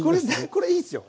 これいいっすよ。